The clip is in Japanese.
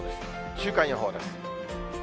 週間予報です。